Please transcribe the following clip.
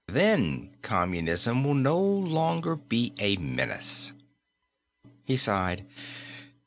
Then communism will no longer be a menace." He sighed.